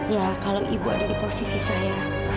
ya kalau ibu ada di posisi saya